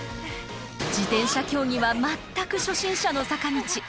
自転車競技は全く初心者の坂道。